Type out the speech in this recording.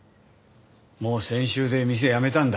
もう先週で店やめたんだ。